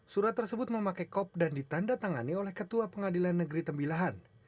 surat tersebut memakai kop dan ditanda tangani oleh ketua pengadilan negeri tembilahan